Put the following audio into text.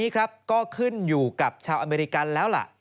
ก็ขึ้นอยู่กับชาวอเมริกันแล้วล่ะ